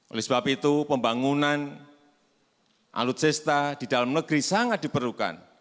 oleh sebab itu pembangunan alutsista di dalam negeri sangat diperlukan